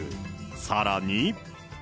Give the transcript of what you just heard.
さらに。